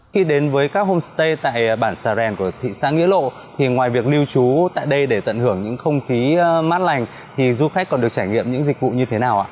khi đến với các homestay tại bản xà rèn của thị xã nghĩa lộ thì ngoài việc lưu trú tại đây để tận hưởng những không khí mát lành thì du khách còn được trải nghiệm những dịch vụ như thế nào ạ